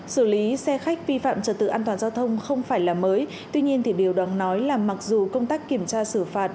sử lý xe khách vi phạm trật tự an toàn giao thông không phải là mới tuy nhiên biểu đoán nói là mặc dù công tác kiểm tra xử phạt